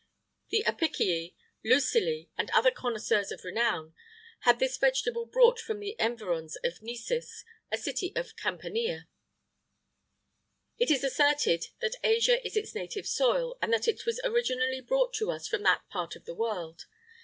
The Apicii, Luculli, and other connoisseurs of renown, had this vegetable brought from the environs of Nesis, a city of Campania.[IX 54] It is asserted that Asia is its native soil, and that it was originally brought to us from that part of the world.